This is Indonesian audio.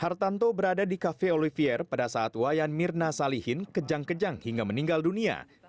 hartanto berada di cafe olivier pada saat wayan mirna salihin kejang kejang hingga meninggal dunia